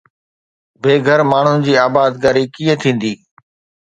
بي گهر ماڻهن جي آبادڪاري ڪيئن ٿيندي؟